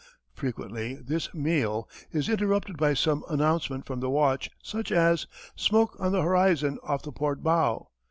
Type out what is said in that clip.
Frequently this "meal" is interrupted by some announcement from the watch, such as: "Smoke on the horizon off the port bow."